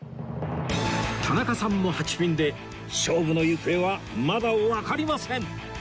田中さんも８ピンで勝負の行方はまだわかりません！